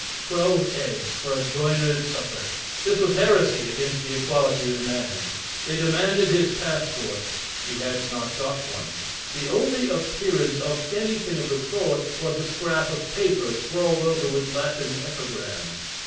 Twelve eggs for a joiner's supper! This was heresy against the equality of man. They demanded his passport he had not got one the only appearance of anything of the sort was a scrap of paper, scrawled over with Latin epigrams.